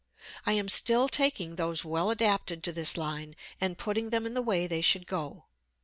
I am still taking those well adapted to this line and putting them in the way they should go.